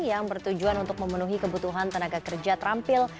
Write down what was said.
yang bertujuan untuk memenuhi kebutuhan tenaga kerja terampil